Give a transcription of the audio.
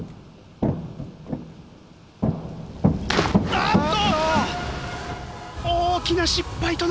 あっと！